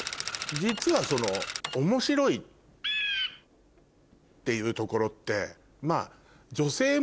実は面白いっていうところって。